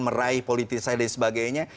meraih politik saya dan sebagainya